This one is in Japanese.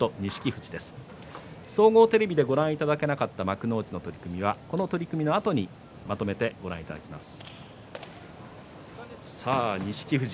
心と錦富士総合テレビでご覧いただけなかった幕内の取組はこの取組のあとにまとめてご覧いただきます。